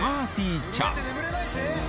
ーちゃん